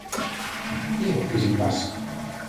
Que é o que lle pasa?